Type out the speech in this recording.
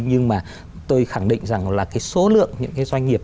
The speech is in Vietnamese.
nhưng mà tôi khẳng định rằng là cái số lượng những cái doanh nghiệp